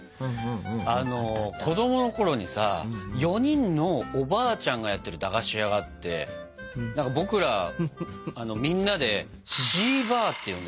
あの子供のころにさ４人のおばあちゃんがやってる駄菓子屋があって僕らみんなで「四婆」って呼んでた。